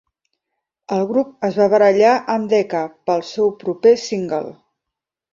El grup es va barallar amb Decca pel seu proper single.